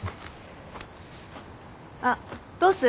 あっどうする？